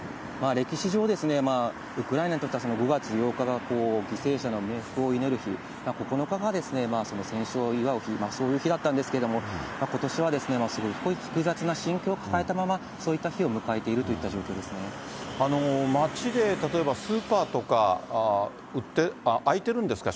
歴史上、ウクライナにとっては５月８日が犠牲者の冥福を祈る日、９日が戦勝を祝う日、そういう日だったんですけれども、ことしはですね、そういう複雑な心境を抱えたまま、そういった日を迎えているといっ街で例えば、スーパーとか開いてるんですか？